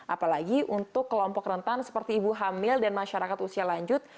apalagi untuk kelompok rentan seperti ibu hamil dan masyarakat usia lanjut